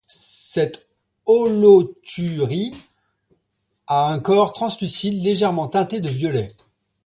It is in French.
Cette holothurie a un corps translucide, légèrement teinté de violet.